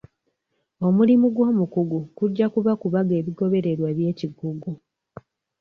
Omulimu gw'omukugu kujja kuba kubaga ebigobererwa eby'ekikugu.